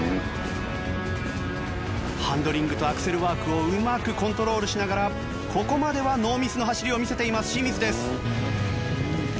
ハンドリングとアクセルワークをうまくコントロールしながらここまではノーミスの走りを見せています清水です。